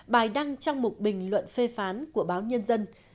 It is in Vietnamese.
bài đăng trong một bình luận phê phán của báo nhân dân